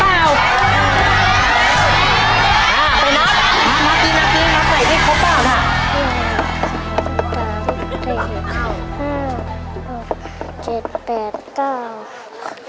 มามากินมากินมาใกล้ที่เขาเปล่านะ